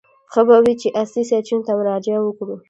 ښه به وي چې اصلي سرچینو ته مراجعه وکړو.